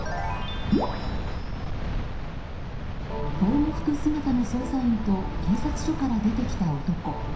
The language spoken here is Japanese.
防護服姿の捜査員と警察署から出てきた男。